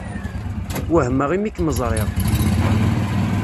Wehmeɣ imi kem-ẓṛiɣ.